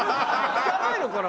汚いのかな？